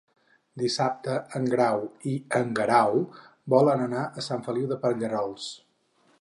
Dissabte en Grau i en Guerau volen anar a Sant Feliu de Pallerols.